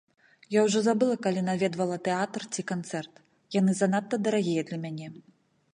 Я ўжо забыла, калі наведвала тэатр ці канцэрт, яны занадта дарагія для мяне.